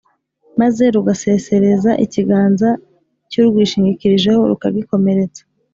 maze rugasesereza ikiganza cy’urwishingikirijeho rukagikomeretsa.